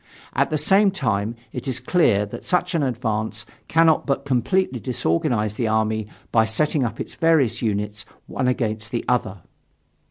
At the same time, it is clear that such an advance cannot but completely disorganize the army by setting up its various units one against the other."